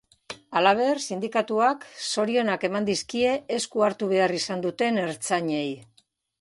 Halaber, sindikatuak zorionak eman dizkie esku hartu behar izan duten ertzainei.